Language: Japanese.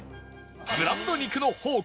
ブランド肉の宝庫